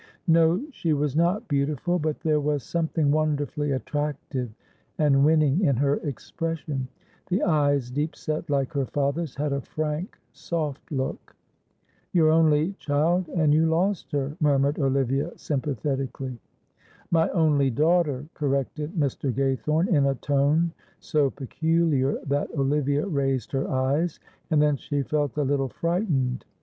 No, she was not beautiful, but there was something wonderfully attractive and winning in her expression; the eyes, deep set like her father's, had a frank soft look. "Your only child and you lost her," murmured Olivia, sympathetically. "My only daughter," corrected Mr. Gaythorne, in a tone so peculiar, that Olivia raised her eyes, and then she felt a little frightened.